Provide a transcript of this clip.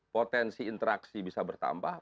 potensi interaksi bisa bertambah